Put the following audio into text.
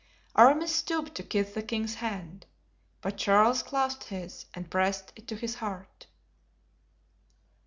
Aramis stooped to kiss the king's hand, but Charles clasped his and pressed it to his heart.